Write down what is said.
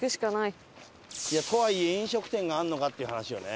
とはいえ飲食店があるのかっていう話よね。